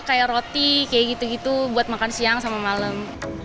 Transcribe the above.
kayak roti kayak gitu gitu buat makan siang sama malam